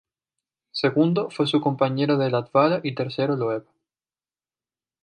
Segundo fue su compañero Latvala y tercero Loeb.